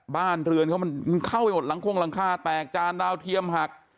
บ้านเรือนเขามันเข้าไปหมดหลังคงหลังคาแตกจานดาวเทียมหัก